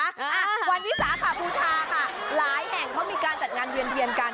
อ่ะวันวิสาขบูชาค่ะหลายแห่งเขามีการจัดงานเวียนเทียนกัน